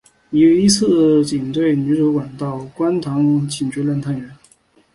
一次警队女主管到观塘警局任探员。